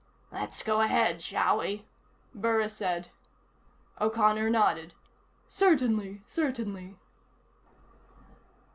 "Let's go ahead, shall we?" Burris said. O'Connor nodded. "Certainly. Certainly."